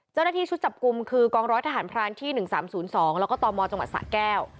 เจ้าหน้าที่ชุดจับกลุ่มคือกองร้อยทหารพรานที่๑๓๐๒แล้วก็ตมจังหวัดสะแก้ว